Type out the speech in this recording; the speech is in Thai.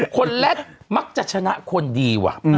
คนแรกมักจะชนะคนดีว่ะ